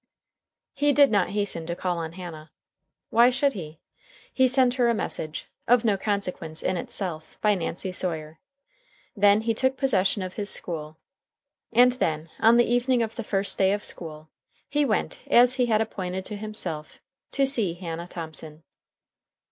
He did not hasten to call on Hannah. Why should he? He sent her a message, of no consequence in itself, by Nancy Sawyer. Then he took possession of his school; and then, on the evening of the first day of school, he went, as he had appointed to himself, to see Hannah Thomson.